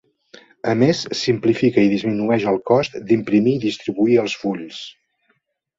A més, simplifica i disminueix el cost d'imprimir i distribuir els fulls.